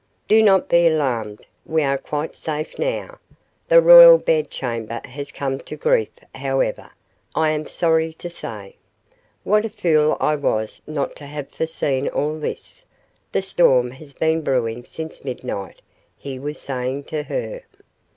"Do not be alarmed. We are quite safe now. The royal bed chamber has come to grief, however, I am sorry to say. What a fool I was not to have foreseen all this! The storm has been brewing since midnight," he was saying to her.